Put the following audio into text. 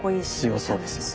強そうですよね。